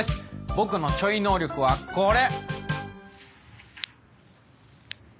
ボクのちょい能力はこれ！